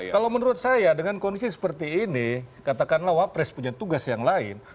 kalau menurut saya dengan kondisi seperti ini katakanlah wapres punya tugas yang lain